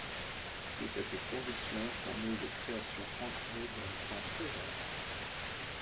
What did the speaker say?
De cette conviction sont nées des créations ancrées dans le temps présent.